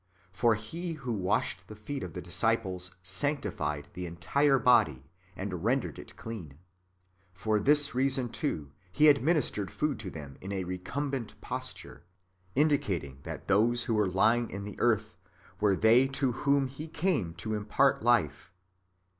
For He who washed the feet of the disciples sancti fied the entire body, and rendered it clean. For tliis reason, too. He administered food to them in a recumbent posture, indicating that those who were lying in the earth were they to whom He came to impart life.